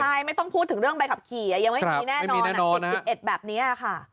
ใช่ไม่ต้องพูดถึงเรื่องใบขับขี่ยังไม่มีแน่นอน๗๑แบบนี้ค่ะ